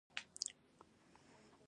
آیا د کلي ملک د اړیکو مسوول نه وي؟